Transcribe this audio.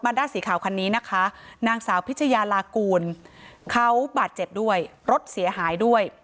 ด้าสีขาวคันนี้นะคะนางสาวพิชยาลากูลเขาบาดเจ็บด้วยรถเสียหายด้วย